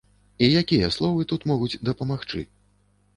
І якія словы тут могуць дапамагчы?